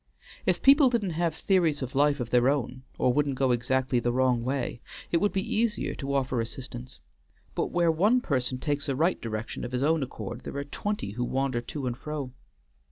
If people didn't have theories of life of their own, or wouldn't go exactly the wrong way, it would be easier to offer assistance; but where one person takes a right direction of his own accord, there are twenty who wander to and fro."